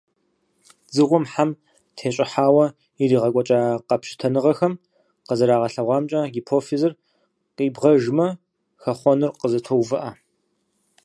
Дзыгъуэм, хьэм тещӀыхьауэ ирагъэкӀуэкӀа къэпщытэныгъэхэм къызэрагъэлъэгъуамкӀэ, гипофизыр къибгъэжмэ, хэхъуэныр къызэтоувыӀэ.